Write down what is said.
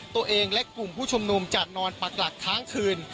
ตัวเองและกลุ่มผู้ชุมนุมจะนอนปักหลักค้างคืน